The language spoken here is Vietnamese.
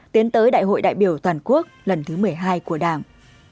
tiến tới đại hội đại biểu toàn quốc lần thứ một mươi hai của đảng